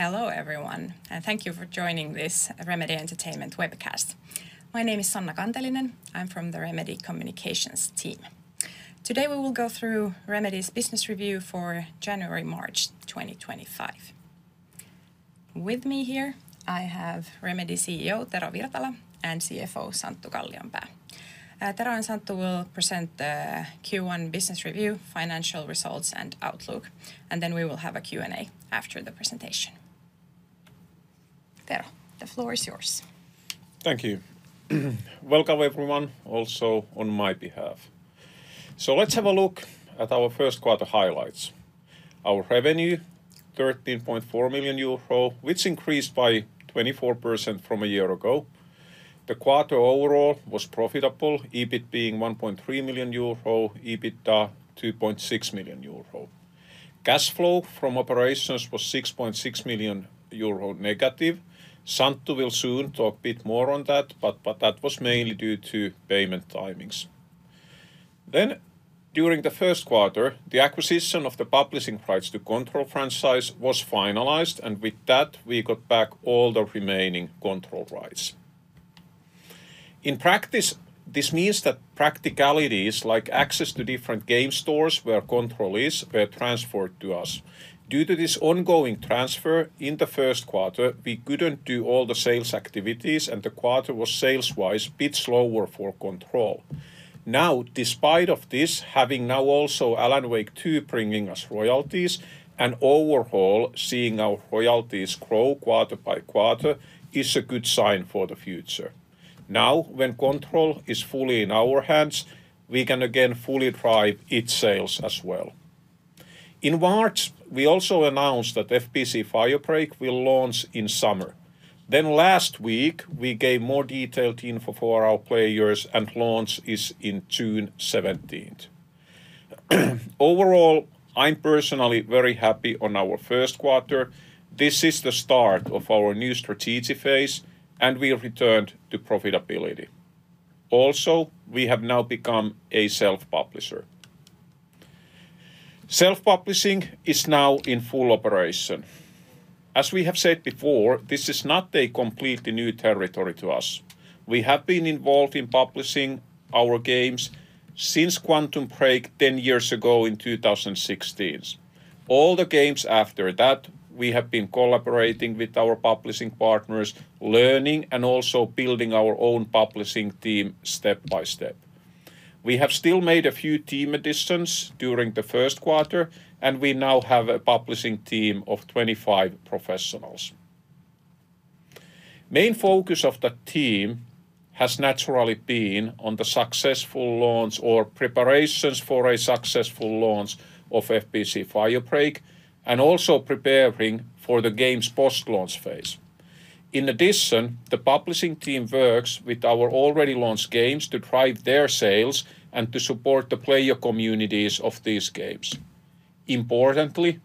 Hello everyone, and thank you for joining this Remedy Entertainment webcast. My name is Sanna Kantelinen. I'm from the Remedy Communications team. Today we will go through Remedy's business review for January-March 2025. With me here, I have Remedy CEO Tero Virtala and CFO Santtu Kallionpää. Tero and Santtu will present the Q1 business review, financial results, and outlook, and then we will have a Q&A after the presentation. Tero, the floor is yours. Thank you. Welcome everyone, also on my behalf. Let's have a look at our first quarter highlights. Our revenue, 13.4 million euro, which increased by 24% from a year ago. The quarter overall was profitable, EBIT being 1.3 million euro, EBITDA 2.6 million euro. Cash flow from operations was 6.6 million euro negative. Santtu will soon talk a bit more on that, but that was mainly due to payment timings. During the first quarter, the acquisition of the publishing rights to Control franchise was finalized, and with that, we got back all the remaining Control rights. In practice, this means that practicalities like access to different game stores where Control is, were transferred to us. Due to this ongoing transfer, in the first quarter, we could not do all the sales activities, and the quarter was sales-wise a bit slower for Control. Now, despite this, having now also Alan Wake 2 bringing us royalties, and overall seeing our royalties grow quarter by quarter, is a good sign for the future. Now, when Control is fully in our hands, we can again fully drive its sales as well. In March, we also announced that FBC: Firebreak will launch in summer. Last week, we gave more detailed info for our players, and launch is on June 17. Overall, I'm personally very happy on our first quarter. This is the start of our new strategy phase, and we returned to profitability. Also, we have now become a self-publisher. Self-publishing is now in full operation. As we have said before, this is not a completely new territory to us. We have been involved in publishing our games since Quantum Break ten years ago in 2016. All the games after that, we have been collaborating with our publishing partners, learning, and also building our own publishing team step by step. We have still made a few team additions during the first quarter, and we now have a publishing team of 25 professionals. The main focus of the team has naturally been on the successful launch or preparations for a successful launch of FBC: Firebreak, and also preparing for the games' post-launch phase. In addition, the publishing team works with our already launched games to drive their sales and to support the player communities of these games. Importantly,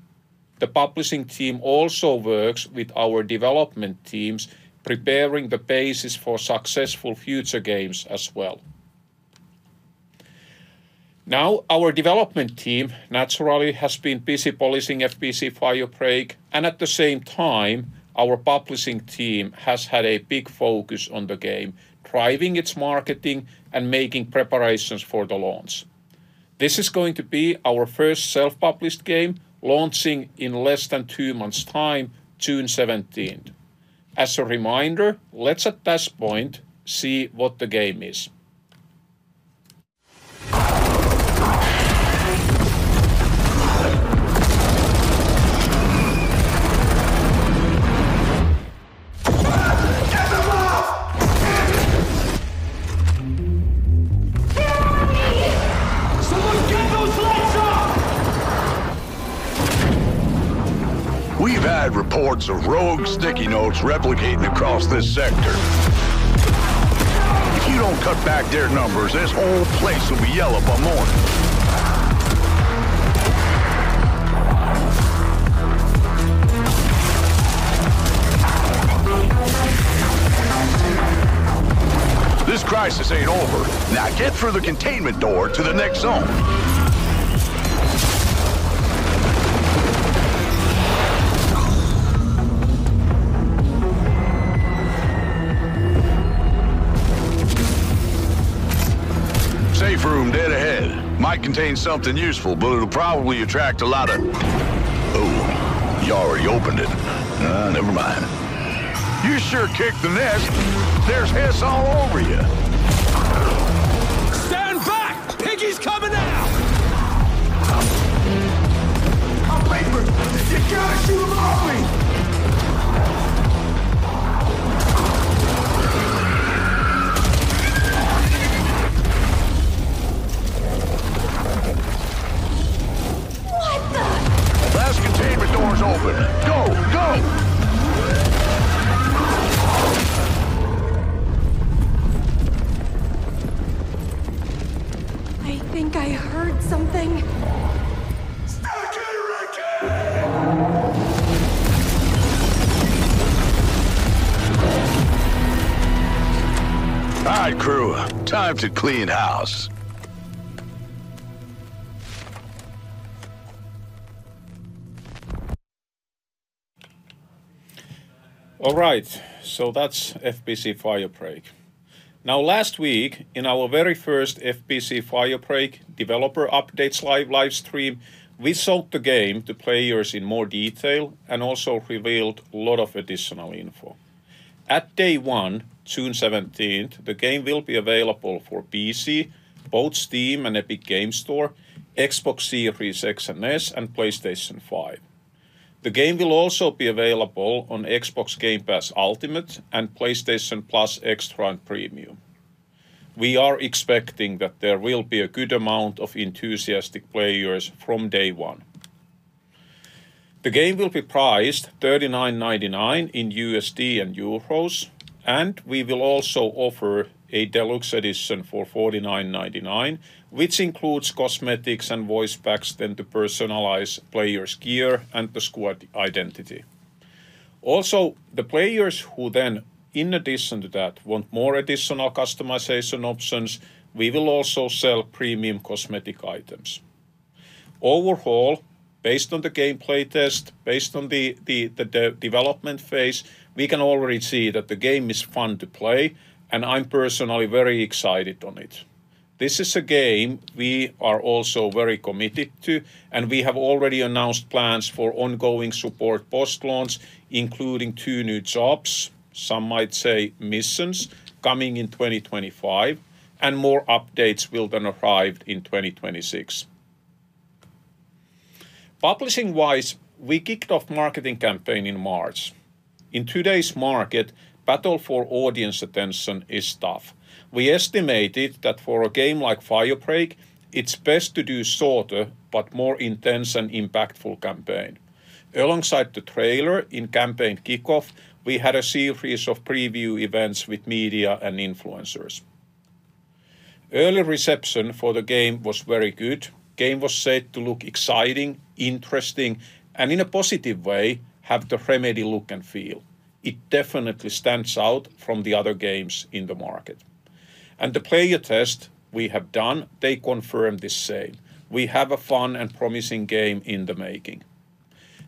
the publishing team also works with our development teams, preparing the basis for successful future games as well. Now, our development team naturally has been busy publishing FBC: Firebreak, and at the same time, our publishing team has had a big focus on the game, driving its marketing and making preparations for the launch. This is going to be our first self-published game, launching in less than two months' time, June 17. As a reminder, let's at this point see what the game is. Teri! Someone get those lights off! We've had reports of rogue sticky notes replicating across this sector. If you don't cut back their numbers, this whole place will yell upon more. This crisis ain't over. Now get through the containment door to the next zone. Safe room dead ahead. Might contain something useful, but it'll probably attract a lot of... Oh, Yari, opened it. Never mind. You sure kicked the nest. There's hits all over you. Stand back! Piggy's coming out! What the... I've asked the containment doors open. Go, go! I think I heard something. Stop, Teri! Hi, crew. Time to clean house. All right, so that's FBC: Firebreak. Now, last week, in our very first FBC: Firebreak developer updates live stream, we sold the game to players in more detail and also revealed a lot of additional info. At day one, June 17, the game will be available for PC, both Steam and Epic Games Store, Xbox Series X and S, and PlayStation 5. The game will also be available on Xbox Game Pass Ultimate and PlayStation Plus Extra and Premium. We are expecting that there will be a good amount of enthusiastic players from day one. The game will be priced $39.99 in USD and EUR, and we will also offer a deluxe edition for $49.99, which includes cosmetics and voice packs then to personalize players' gear and the squad identity. Also, the players who then, in addition to that, want more additional customization options, we will also sell premium cosmetic items. Overall, based on the gameplay test, based on the development phase, we can already see that the game is fun to play, and I'm personally very excited on it. This is a game we are also very committed to, and we have already announced plans for ongoing support post-launch, including two new jobs, some might say missions, coming in 2025, and more updates will then arrive in 2026. Publishing-wise, we kicked off a marketing campaign in March. In today's market, battle for audience attention is tough. We estimated that for a game like Firebreak, it's best to do a shorter but more intense and impactful campaign. Alongside the trailer, in campaign kickoff, we had a series of preview events with media and influencers. Early reception for the game was very good. The game was said to look exciting, interesting, and in a positive way, have the Remedy look and feel. It definitely stands out from the other games in the market. The player tests we have done confirm the same. We have a fun and promising game in the making.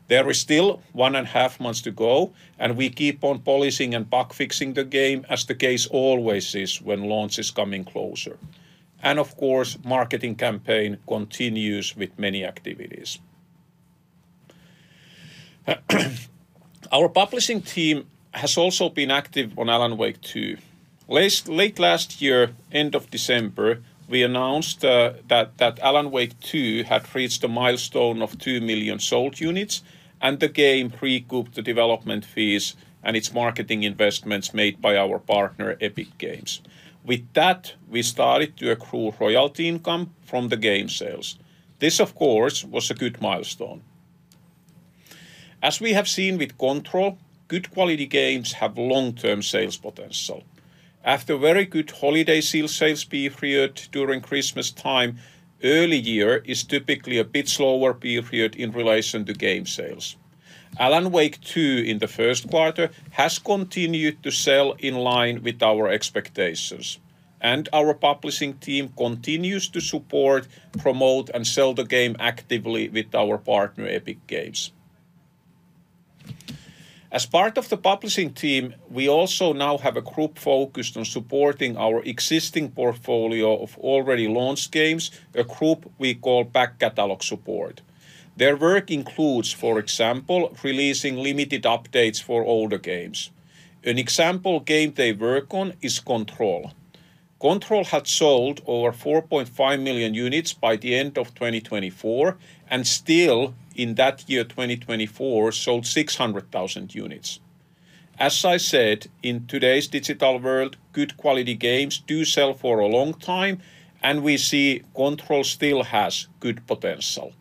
There is still one and a half months to go, and we keep on polishing and bug fixing the game, as the case always is when launch is coming closer. Of course, the marketing campaign continues with many activities. Our publishing team has also been active on Alan Wake 2. Late last year, end of December, we announced that Alan Wake 2 had reached a milestone of two million sold units, and the game precooked the development phase and its marketing investments made by our partner, Epic Games. With that, we started to accrue royalty income from the game sales. This, of course, was a good milestone. As we have seen with Control, good quality games have long-term sales potential. After a very good holiday sales period during Christmas time, early year is typically a bit slower period in relation to game sales. Alan Wake 2 in the first quarter has continued to sell in line with our expectations, and our publishing team continues to support, promote, and sell the game actively with our partner, Epic Games. As part of the publishing team, we also now have a group focused on supporting our existing portfolio of already launched games, a group we call Back Catalog Support. Their work includes, for example, releasing limited updates for older games. An example game they work on is Control. Control had sold over 4.5 million units by the end of 2024, and still, in that year 2024, sold 600,000 units. As I said, in today's digital world, good quality games do sell for a long time, and we see Control still has good potential.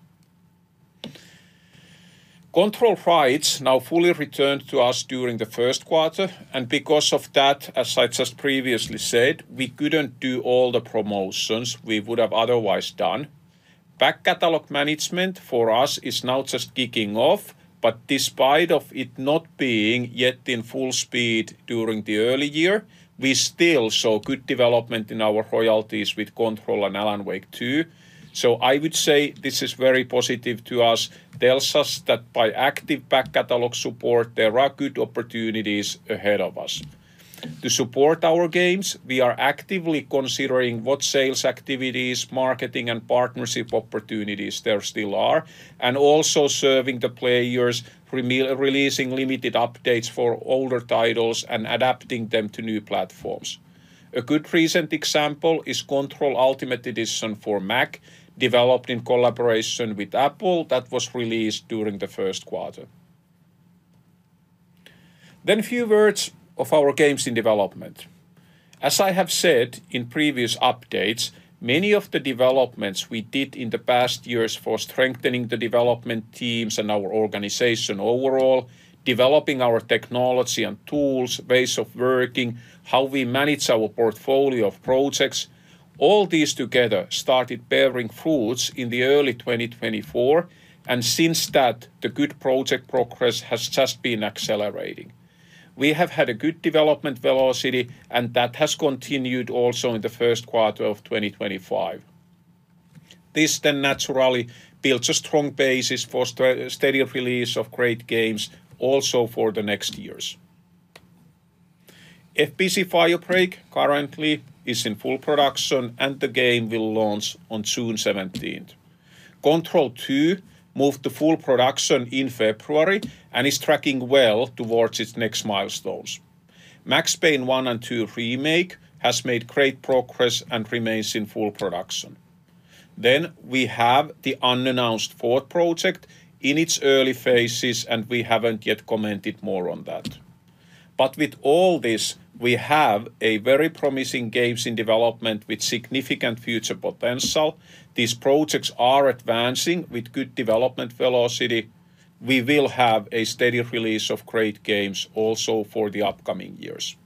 Control rights now fully returned to us during the first quarter, and because of that, as I just previously said, we couldn't do all the promotions we would have otherwise done. Back catalog management for us is now just kicking off, but despite it not being yet in full speed during the early year, we still saw good development in our royalties with Control and Alan Wake 2. I would say this is very positive to us. Tells us that by active back catalog support, there are good opportunities ahead of us. To support our games, we are actively considering what sales activities, marketing, and partnership opportunities there still are, and also serving the players, releasing limited updates for older titles and adapting them to new platforms. A good recent example is Control Ultimate Edition for Mac, developed in collaboration with Apple that was released during the first quarter. A few words of our games in development. As I have said in previous updates, many of the developments we did in the past years for strengthening the development teams and our organization overall, developing our technology and tools, ways of working, how we manage our portfolio of projects, all these together started bearing fruits in early 2024, and since that, the good project progress has just been accelerating. We have had a good development velocity, and that has continued also in the first quarter of 2025. This then naturally builds a strong basis for steady release of great games also for the next years. FBC: Firebreak currently is in full production, and the game will launch on June 17, 2025. Control 2 moved to full production in February and is tracking well towards its next milestones. Max Payne 1 and 2 Remake has made great progress and remains in full production. We have the unannounced fourth project in its early phases, and we have not yet commented more on that. With all this, we have very promising games in development with significant future potential. These projects are advancing with good development velocity. We will have a steady release of great games also for the upcoming years.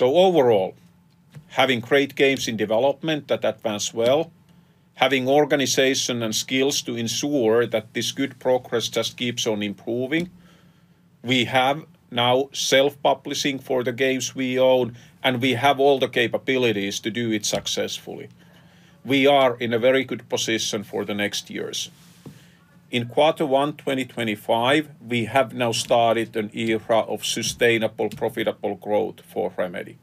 Overall, having great games in development that advance well, having organization and skills to ensure that this good progress just keeps on improving, we have now self-publishing for the games we own, and we have all the capabilities to do it successfully. We are in a very good position for the next years. In quarter one 2025, we have now started an era of sustainable profitable growth for Remedy.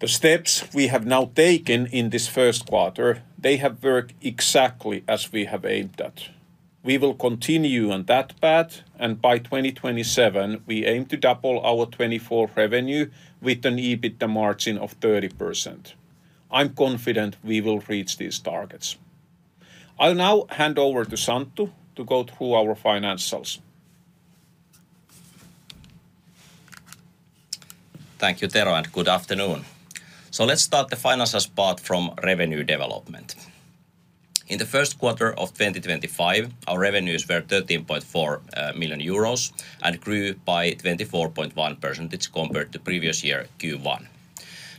The steps we have now taken in this first quarter, they have worked exactly as we have aimed at. We will continue on that path, and by 2027, we aim to double our 2024 revenue with an EBITDA margin of 30%. I'm confident we will reach these targets. I'll now hand over to Santtu to go through our financials. Thank you, Tero, and good afternoon. Let's start the financials part from revenue development. In the first quarter of 2025, our revenues were 13.4 million euros and grew by 24.1% compared to previous year, Q1.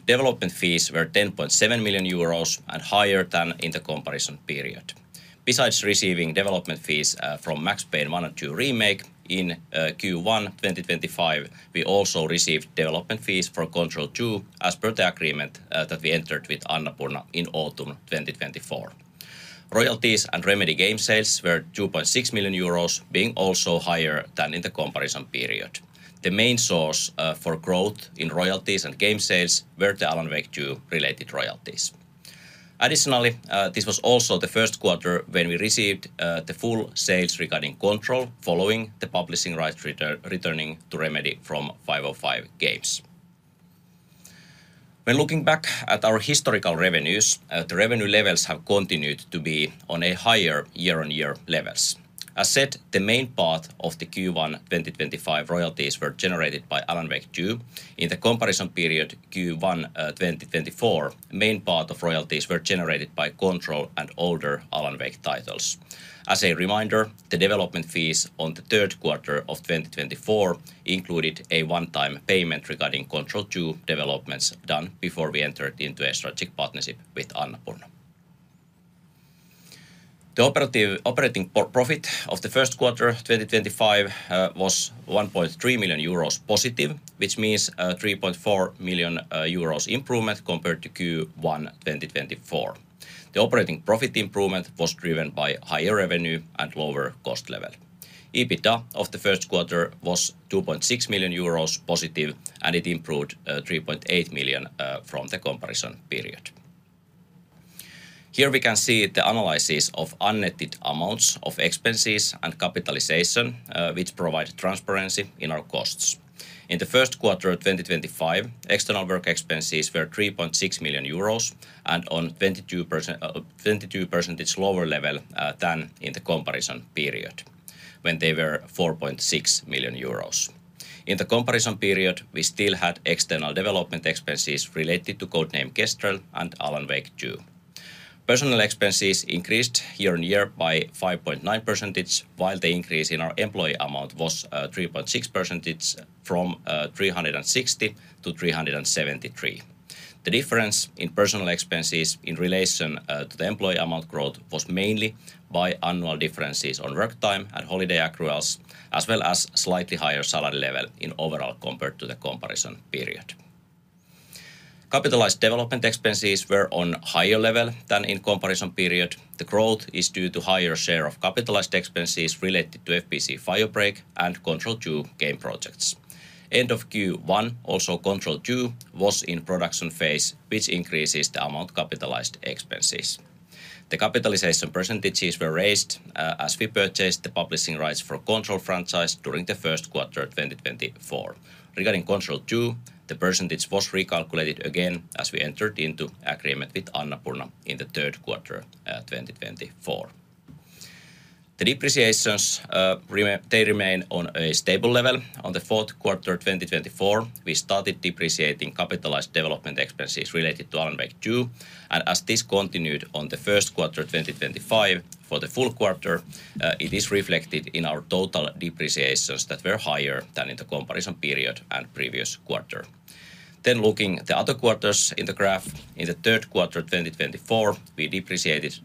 Development fees were 10.7 million euros and higher than in the comparison period. Besides receiving development fees from Max Payne 1 and 2 Remake in Q1 2025, we also received development fees for Control 2 as per the agreement that we entered with Annapurna in autumn 2024. Royalties and Remedy game sales were 2.6 million euros, being also higher than in the comparison period. The main source for growth in royalties and game sales were the Alan Wake 2 related royalties. Additionally, this was also the first quarter when we received the full sales regarding Control following the publishing rights returning to Remedy from 505 Games. When looking back at our historical revenues, the revenue levels have continued to be on a higher year-on-year levels. As said, the main part of the Q1 2025 royalties were generated by Alan Wake 2. In the comparison period Q1 2024, the main part of royalties were generated by Control and older Alan Wake titles. As a reminder, the development fees on the third quarter of 2024 included a one-time payment regarding Control 2 developments done before we entered into a strategic partnership with Annapurna. The operating profit of the first quarter 2025 was 1.3 million euros positive, which means a 3.4 million euros improvement compared to Q1 2024. The operating profit improvement was driven by higher revenue and lower cost level. EBITDA of the first quarter was 2.6 million euros positive, and it improved 3.8 million from the comparison period. Here we can see the analysis of unnetted amounts of expenses and capitalization, which provided transparency in our costs. In the first quarter of 2025, external work expenses were 3.6 million euros and on a 22% lower level than in the comparison period, when they were 4.6 million euros. In the comparison period, we still had external development expenses related to Codename Kestrel and Alan Wake 2. Personnel expenses increased year-on-year by 5.9%, while the increase in our employee amount was 3.6% from 360 to 373. The difference in personnel expenses in relation to the employee amount growth was mainly by annual differences on work time and holiday accruals, as well as a slightly higher salary level in overall compared to the comparison period. Capitalized development expenses were on a higher level than in the comparison period. The growth is due to a higher share of capitalized expenses related to FBC: Firebreak and Control 2 game projects. End of Q1, also Control 2 was in production phase, which increases the amount capitalized expenses. The capitalization percentages were raised as we purchased the publishing rights for Control franchise during the first quarter 2024. Regarding Control 2, the percentage was recalculated again as we entered into agreement with Annapurna in the third quarter 2024. The depreciations,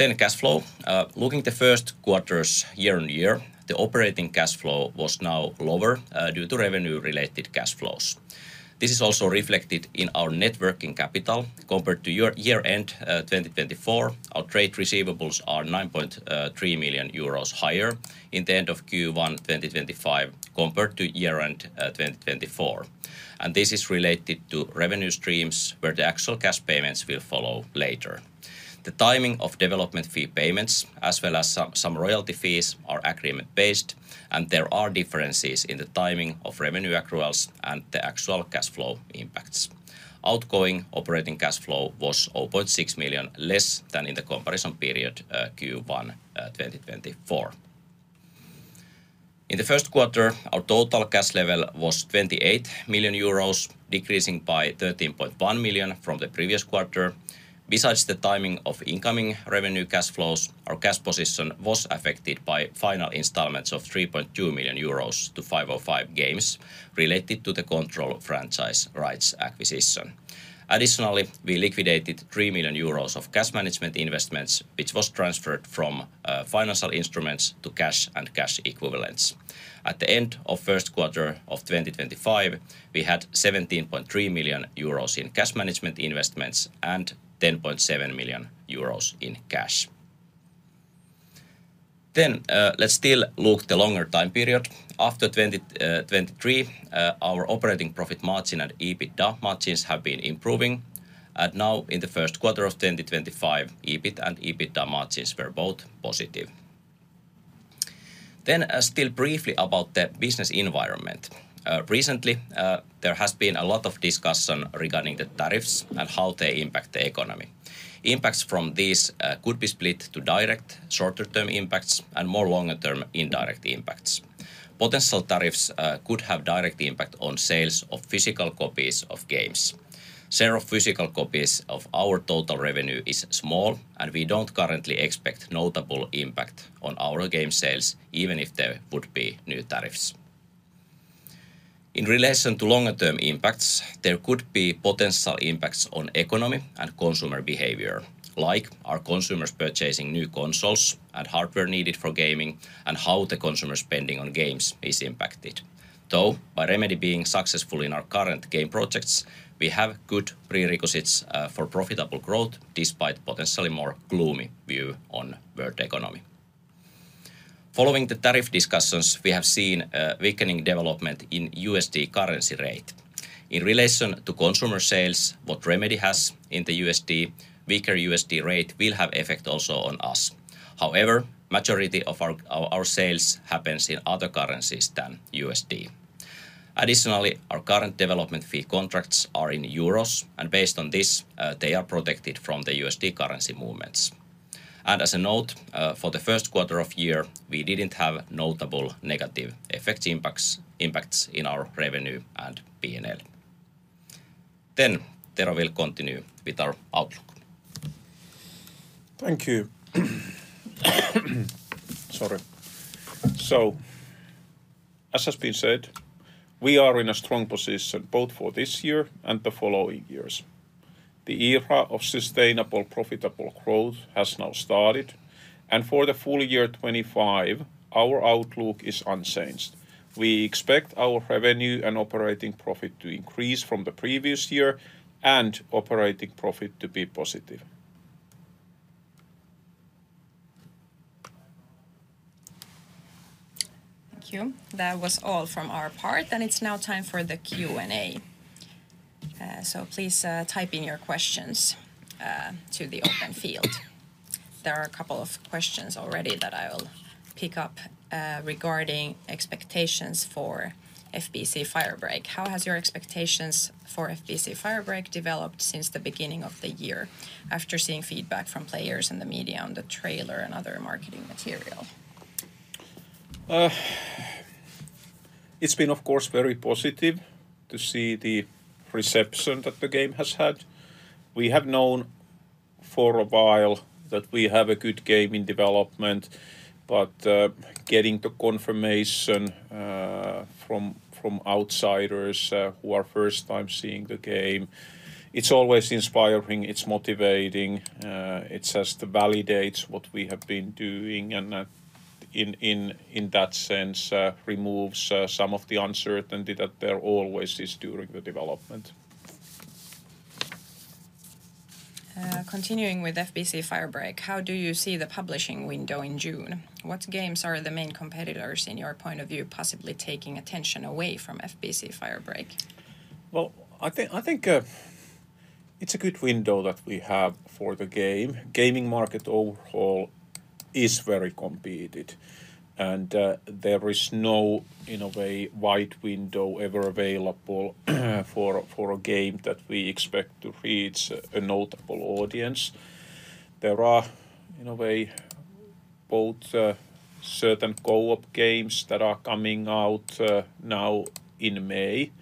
they remain on a stable level. On the fourth quarter 2024, we started depreciating capitalized development expenses related which was transferred from financial instruments to cash and cash equivalents. At the end of the first quarter of 2025, we had EUR 17.3 million in cash management investments and EUR 10.7 million in cash. Let's still look at the longer time period. After 2023, our operating profit margin and EBITDA margins have been improving, and now in the first quarter of 2025, EBIT and EBITDA margins were both positive. Still briefly about the business environment. Recently, there has been a lot of discussion regarding the tariffs and how they impact the economy. Impacts from these could be split to direct, shorter-term impacts and more longer-term indirect impacts. Potential tariffs could have a direct impact on sales of physical copies of games. The share of physical copies of our total revenue is small, and we do not currently expect a notable impact on our game sales, even if there would be new tariffs. In relation to longer-term impacts, there could be potential impacts on the economy and consumer behavior, like our consumers purchasing new consoles and hardware needed for gaming and how the consumer spending on games is impacted. Though, by Remedy being successful in our current game projects, we have good prerequisites for profitable growth despite a potentially more gloomy view on the world economy. Following the tariff discussions, we have seen a weakening development in the USD currency rate. In relation to consumer sales, what Remedy has in the USD, a weaker USD rate will have an effect also on us. However, the majority of our sales happens in other currencies than USD. Additionally, our current development fee contracts are in EUR, and based on this, they are protected from the USD currency movements. As a note, for the first quarter of the year, we did not have notable negative effect impacts in our revenue and P&L. Tero will continue with our outlook. Thank you. Sorry. As has been said, we are in a strong position both for this year and the following years. The era of sustainable profitable growth has now started, and for the full year 2025, our outlook is unchanged. We expect our revenue and operating profit to increase from the previous year and operating profit to be positive. Thank you. That was all from our part, and it's now time for the Q&A. Please type in your questions to the open field. There are a couple of questions already that I'll pick up regarding expectations for FBC: Firebreak. How have your expectations for FBC: Firebreak developed since the beginning of the year after seeing feedback from players and the media on the trailer and other marketing material? It's been, of course, very positive to see the reception that the game has had. We have known for a while that we have a good game in development, but getting the confirmation from outsiders who are first time seeing the game, it's always inspiring, it's motivating, it just validates what we have been doing, and in that sense, removes some of the uncertainty that there always is during the development. Continuing with FBC: Firebreak, how do you see the publishing window in June? What games are the main competitors, in your point of view, possibly taking attention away from FBC: Firebreak? I think it's a good window that we have for the game. The gaming market overall is very competitive, and there is no, in a way, wide window ever available for a game that we expect to reach a notable audience. There are, in a way, both certain co-op games that are coming out now in May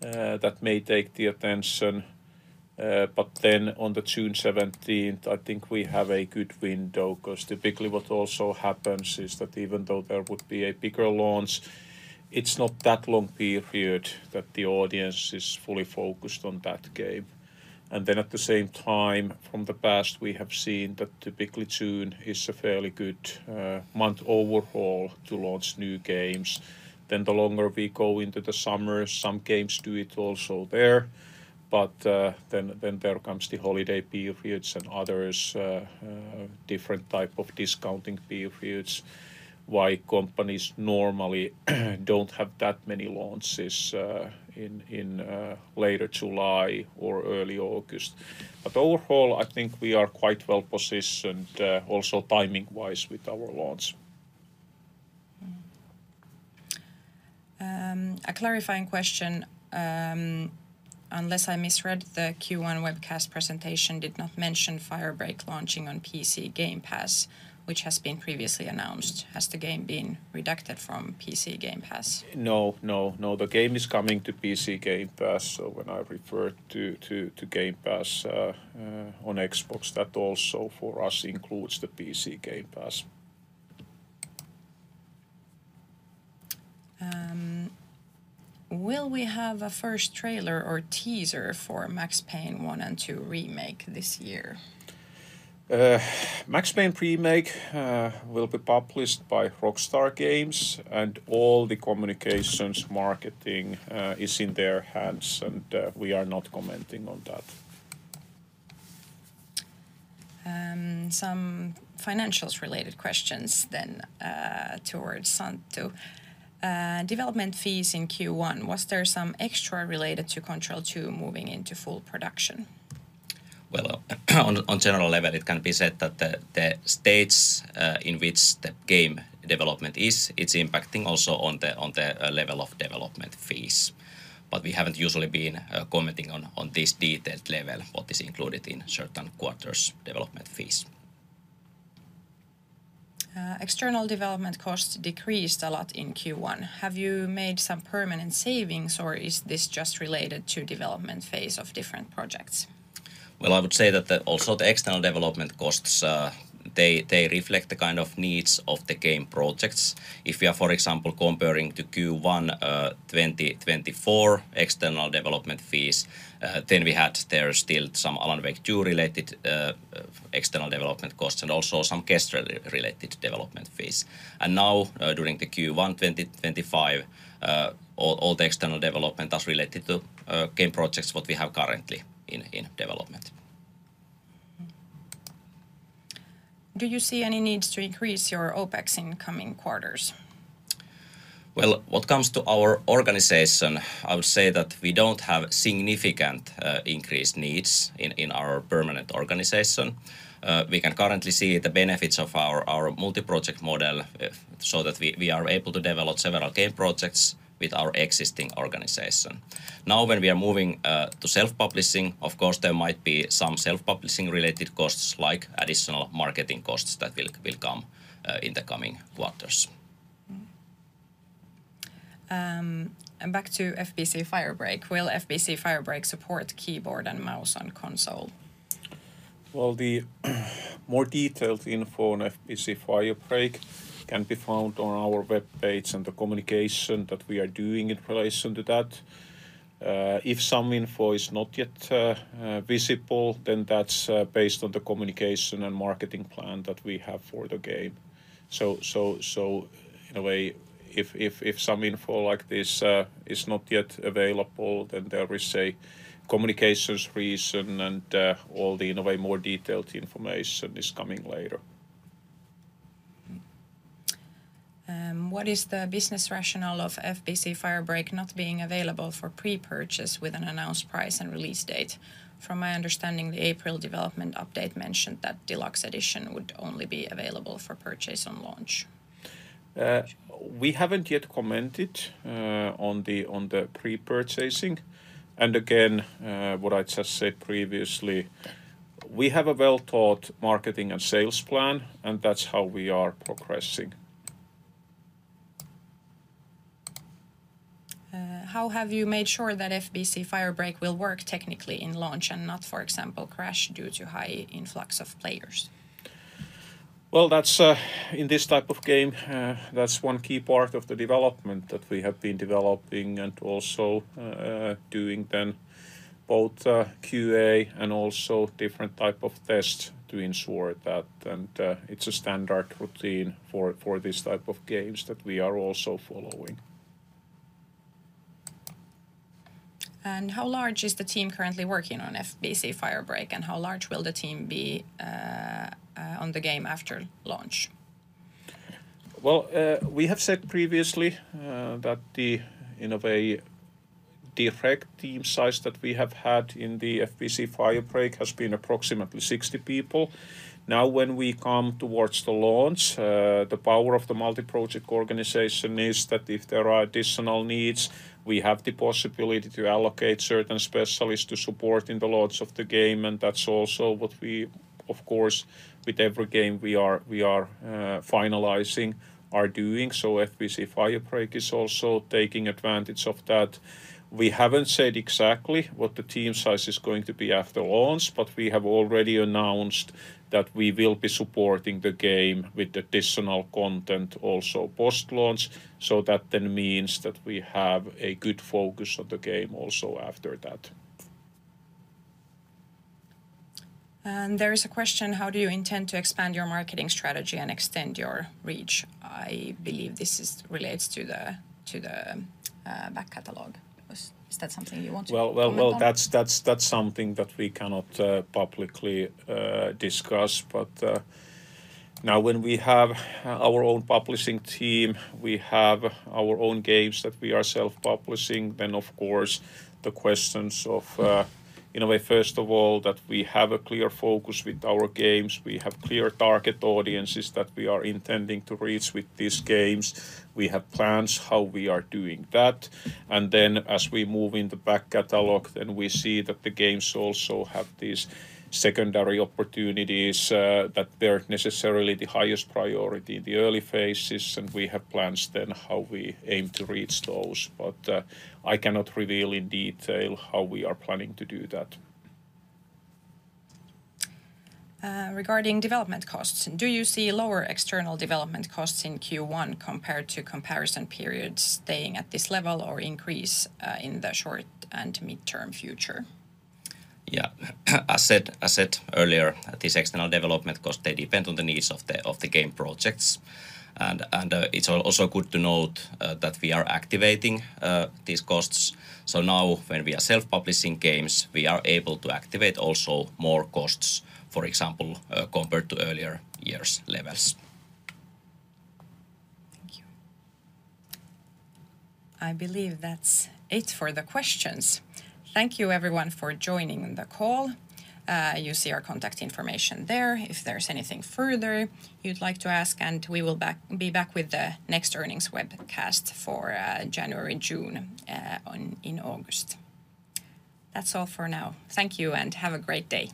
that may take the attention, but on June 17, I think we have a good window because typically what also happens is that even though there would be a bigger launch, it's not that long period that the audience is fully focused on that game. At the same time, from the past, we have seen that typically June is a fairly good month overall to launch new games. The longer we go into the summer, some games do it also there, but then there comes the holiday periods and others, different types of discounting periods, why companies normally do not have that many launches in later July or early August. Overall, I think we are quite well positioned also timing-wise with our launch. A clarifying question, unless I misread, the Q1 webcast presentation did not mention Firebreak launching on PC Game Pass, which has been previously announced. Has the game been redacted from PC Game Pass? No, no, no. The game is coming to PC Game Pass, so when I refer to Game Pass on Xbox, that also for us includes the PC Game Pass. Will we have a first trailer or teaser for Max Payne 1 and 2 Remake this year? Max Payne Remake will be published by Rockstar Games, and all the communications marketing is in their hands, and we are not commenting on that. Some financials-related questions then towards Santtu. Development fees in Q1, was there some extra related to Control 2 moving into full production? On a general level, it can be said that the stage in which the game development is, it's impacting also on the level of development fees. We haven't usually been commenting on this detailed level, what is included in certain quarters' development fees. External development costs decreased a lot in Q1. Have you made some permanent savings, or is this just related to the development phase of different projects? I would say that also the external development costs, they reflect the kind of needs of the game projects. If we are, for example, comparing to Q1 2024 external development fees, then we had there still some Alan Wake 2-related external development costs and also some Kestrel-related development fees. Now, during Q1 2025, all the external development is related to game projects that we have currently in development. Do you see any needs to increase your OPEX in coming quarters? What comes to our organization, I would say that we do not have significant increased needs in our permanent organization. We can currently see the benefits of our multi-project model so that we are able to develop several game projects with our existing organization. Now, when we are moving to self-publishing, of course, there might be some self-publishing-related costs like additional marketing costs that will come in the coming quarters. Back to FBC: Firebreak. Will FBC: Firebreak support keyboard and mouse on console? The more detailed info on FBC: Firebreak can be found on our webpage and the communication that we are doing in relation to that. If some info is not yet visible, that is based on the communication and marketing plan that we have for the game. In a way, if some info like this is not yet available, there is a communications reason and all the, in a way, more detailed information is coming later. What is the business rationale of FBC: Firebreak not being available for pre-purchase with an announced price and release date? From my understanding, the April development update mentioned that Deluxe Edition would only be available for purchase on launch. We have not yet commented on the pre-purchasing. What I just said previously, we have a well-thought marketing and sales plan, and that is how we are progressing. How have you made sure that FBC: Firebreak will work technically in launch and not, for example, crash due to high influx of players? In this type of game, that's one key part of the development that we have been developing and also doing then both QA and also different types of tests to ensure that. It is a standard routine for this type of games that we are also following. How large is the team currently working on FBC: Firebreak, and how large will the team be on the game after launch? We have said previously that the, in a way, direct team size that we have had in the FBC: Firebreak has been approximately 60 people. Now, when we come towards the launch, the power of the multi-project organization is that if there are additional needs, we have the possibility to allocate certain specialists to support in the launch of the game. That is also what we, of course, with every game we are finalizing, are doing. FBC: Firebreak is also taking advantage of that. We have not said exactly what the team size is going to be after launch, but we have already announced that we will be supporting the game with additional content also post-launch. That then means that we have a good focus on the game also after that. There is a question, how do you intend to expand your marketing strategy and extend your reach? I believe this relates to the back catalog. Is that something you want to discuss? That is something that we cannot publicly discuss. Now, when we have our own publishing team, we have our own games that we are self-publishing, of course, the questions of, in a way, first of all, that we have a clear focus with our games, we have clear target audiences that we are intending to reach with these games, we have plans how we are doing that. As we move in the back catalog, we see that the games also have these secondary opportunities that are not necessarily the highest priority in the early phases, and we have plans how we aim to reach those. I cannot reveal in detail how we are planning to do that. Regarding development costs, do you see lower external development costs in Q1 compared to comparison periods staying at this level or increase in the short and midterm future? Yeah, as I said earlier, these external development costs, they depend on the needs of the game projects. It is also good to note that we are activating these costs. Now, when we are self-publishing games, we are able to activate also more costs, for example, compared to earlier years' levels. I believe that's it for the questions. Thank you, everyone, for joining the call. You see our contact information there if there's anything further you'd like to ask, and we will be back with the next earnings webcast for January-June in August. That's all for now. Thank you and have a great day.